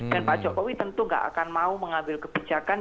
dan pak jokowi tentu gak akan mau mengambil kebijakan